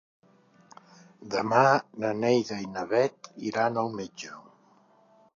Demà na Neida i na Bet iran al metge.